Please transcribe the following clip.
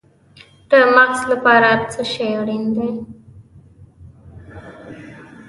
د مغز لپاره څه شی اړین دی؟